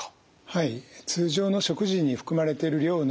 はい。